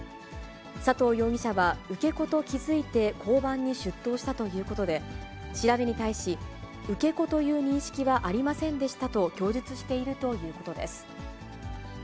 佐藤容疑者は、受け子と気付いて交番に出頭したということで、調べに対し、受け子という認識はありませんでしたと供述しているということです。